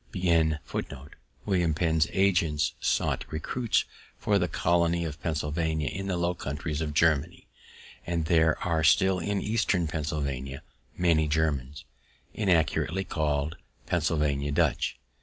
Wm. Penn's agents sought recruits for the colony of Pennsylvania in the low countries of Germany, and there are still in eastern Pennsylvania many Germans, inaccurately called Pennsylvania Dutch.